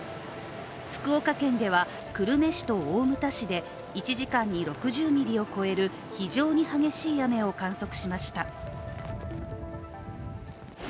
福岡県では、久留米市と大牟田市で１時間に６０ミリを超える非常に激しい雨を観測しました。